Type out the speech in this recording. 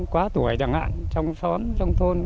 quá tuổi chẳng hạn trong xóm trong thôn